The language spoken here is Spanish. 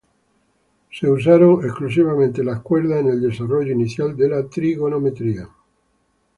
Las cuerdas fueron usadas extensivamente en el desarrollo inicial de la trigonometría.